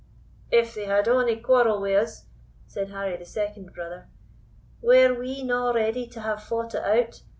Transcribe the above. "If they had ony quarrel wi' us," said Harry, the second brother, "were we na ready to have fought it out?